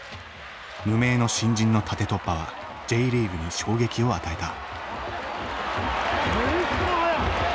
無名の新人の縦突破はＪリーグに衝撃を与えた。